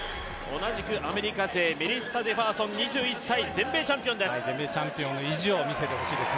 同じくアメリカ勢メリッサ・ジェファーソン２１歳全米チャンピオンです。